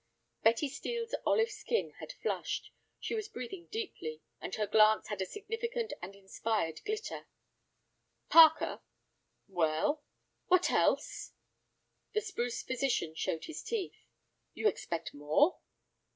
Betty Steel's olive skin had flushed. She was breathing deeply, and her glance had a significant and inspired glitter. "Parker." "Well?" "What else?" The spruce physician showed his teeth. "You expect more?"